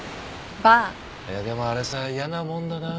でもあれさ嫌なもんだな。